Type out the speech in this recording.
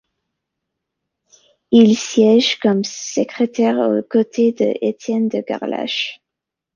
Il siège comme secrétaire aux côtés d'Étienne de Gerlache.